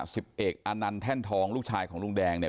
สิบเอกอานันต์แท่นทองลูกชายของลุงแดงเนี่ย